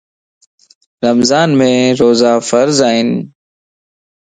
رمضان مَ روزا فرض ائين